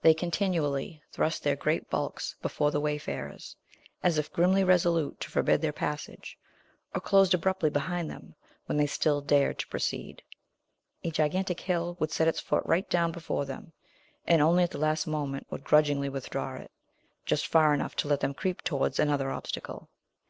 They continually thrust their great bulks before the wayfarers, as if grimly resolute to forbid their passage, or closed abruptly behind them, when they still dared to proceed. A gigantic hill would set its foot right down before them, and only at the last moment would grudgingly withdraw it, just far enough to let them creep towards another obstacle.